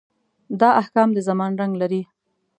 دا احکام د زمان رنګ لري.